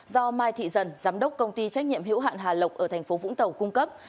do mai thị dần giám đốc công ty trách nhiệm hữu hạn hà lộc ở thành phố vũng tàu cung cấp